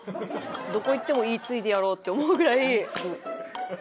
どこ行っても言い継いでやろうって思うぐらい。